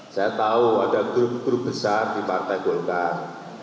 saya tahu ada grup grup besar di partai golkar